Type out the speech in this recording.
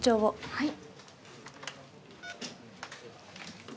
はい。